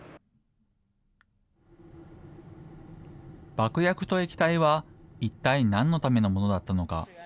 爆薬と液体は、一体なんのためのものだったのか。